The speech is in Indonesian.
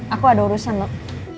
aku ada urusan nuk